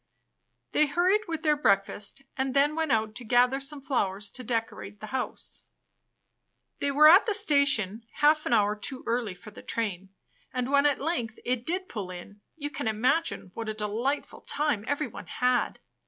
They hurried with their breakfast, and then went out to gather some flowers to decorate the house. They were at the station half an hour too early for the train, and when at length it did pull in, you can imagine what a delightful time everyone had.